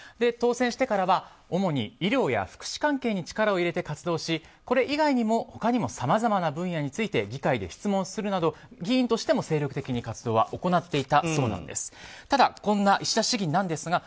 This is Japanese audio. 当選してからは主に医療や福祉関係に力を入れて活動しこれ以外にも他にもさまざまな分野について議会で質問するなど議員としても精力的に活動は行っていたそうなんです。